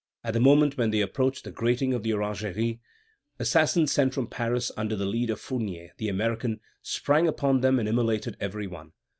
At the moment when they approached the grating of the Orangery, assassins sent from Paris under the lead of Fournier "the American" sprang upon them and immolated every one.